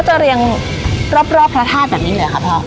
ก็จะเรียงรอบพระธาตุแบบนี้เหรอครับครับ